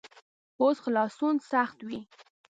اوس خلاصون سخت وي.